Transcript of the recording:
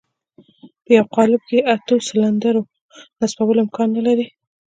په يوه قالب کې د اتو سلنډرو نصبول امکان نه لري.